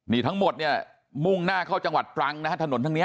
นี่ทั้งหมดเนี่ยมุ่งหน้าเข้าจังหวัดตรังนะฮะถนนทางนี้